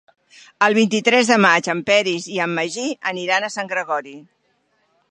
El vint-i-tres de maig en Peris i en Magí aniran a Sant Gregori.